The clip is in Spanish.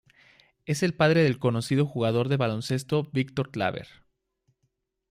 Es el padre del conocido jugador de baloncesto Víctor Claver.